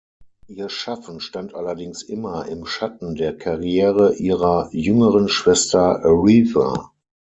Ihr Schaffen stand allerdings immer im Schatten der Karriere ihrer jüngeren Schwester Aretha.